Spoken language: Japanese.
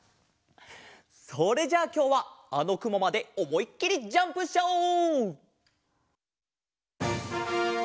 それじゃあきょうはあのくもまでおもいっきりジャンプしちゃおう！